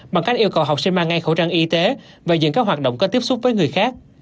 bằng cách yêu cầu học sinh mang ngay khẩu trang y tế và dừng các hoạt động có tiếp xúc với người khác